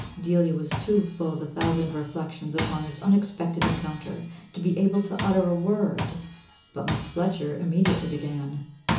Delia was too full of a thousand reflections upon this unexpected rencounter to be able to utter a word. But Miss Fletcher immediately began.